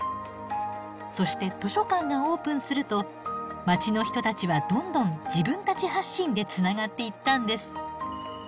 そして図書館がオープンすると街の人たちはどんどん自分たち発信でつながっていったんです。